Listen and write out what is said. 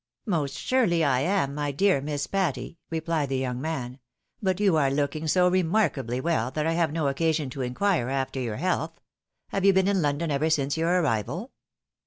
"" Most surely I am, my dear Miss Patty," replied the young man ;" but you are looking so remarkably well, that I have no occasion to inquire after your health. Have you been in London ever since your arrival?"